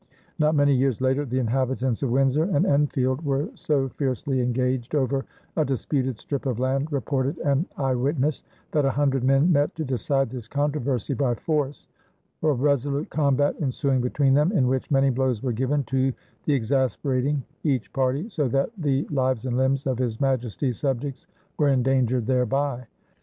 Not many years later the inhabitants of Windsor and Enfield "were so fiercely engag'd" over a disputed strip of land, reported an eye witness, that a hundred men met to decide this controversy by force, "a resolute combat" ensuing between them "in which many blows were given to the exasperating each party, so that the lives and limbs of his Majesties subjects were endangered thereby."